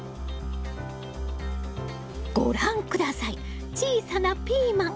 ご覧下さい小さなピーマン。